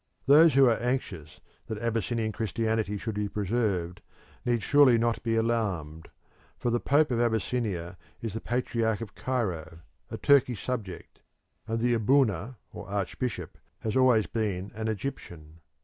Those who are anxious that Abyssinian Christianity should be preserved need surely not be alarmed, for the Pope of Abyssinia is the Patriarch of Cairo, a Turkish subject, and the aboona or archbishop has always been an Egyptian.